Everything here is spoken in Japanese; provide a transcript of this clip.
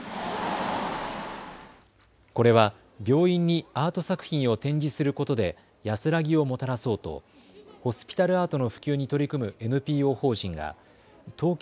これは病院にアート作品を展示することで安らぎをもたらそうとホスピタルアートの普及に取り組むＮＰＯ法人が東京